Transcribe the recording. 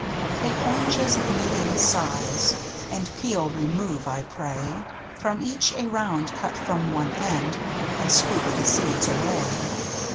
Take oranges of medium size. The peel remove, I pray, From each a round cut from one end, And scoop the seeds away.